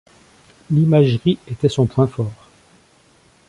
L’imagerie était son point fort.